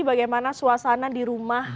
bagaimana suasana di rumah